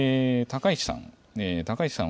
高市さん。